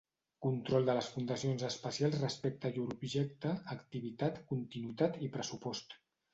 Control de les fundacions especials respecte a llur objecte, activitat, continuïtat i pressupost.